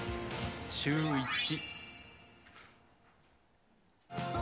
シューイチ。